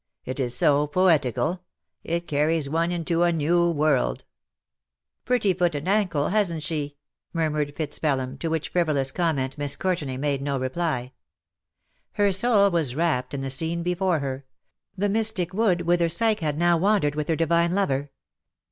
It is so poetical — it carries one into a new world !"" Pretty foot and ankle, hasn't she ?" murmured FitzPelham — to which frivolous comment Miss Courtenay made no reply. Her soul was rapt in the scene before her — the mystic wood whither Psyche had now wan dered with her divine lover.